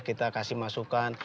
kita kasih masukan